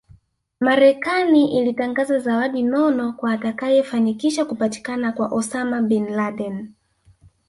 Marekani ilitangaza zawadi nono kwa atakayefanikisha kupatikana kwa Osama Bin Laden